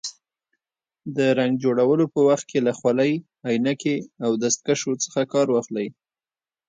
د رنګ جوړولو په وخت کې له خولۍ، عینکې او دستکشو څخه کار واخلئ.